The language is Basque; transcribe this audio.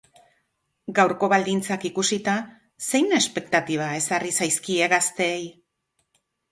Gaurko baldintzak ikusita zein espektatiba ezarri zaizkie gazteei?